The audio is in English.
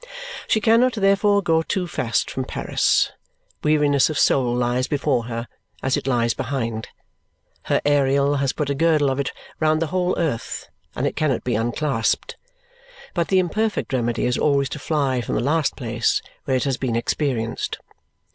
She cannot, therefore, go too fast from Paris. Weariness of soul lies before her, as it lies behind her Ariel has put a girdle of it round the whole earth, and it cannot be unclasped but the imperfect remedy is always to fly from the last place where it has been experienced.